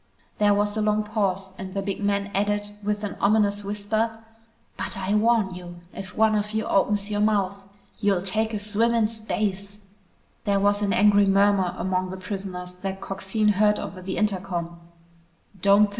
There was a long pause and the big man added with an ominous whisper, "But I warn you, if one of you opens your mouth, you'll take a swim in space!" There was an angry murmur among the prisoners that Coxine heard over the intercom.